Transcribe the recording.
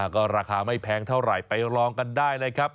ก็ราคาไม่แพงเท่าไหร่ไปลองกันได้นะครับ